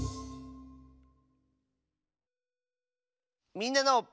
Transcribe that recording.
「みんなの」。